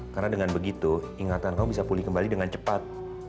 karena dengan begitu ingatan kamu bisa pulih kembali dengan cepat